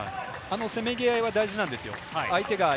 せめぎ合いは大事なんですよ。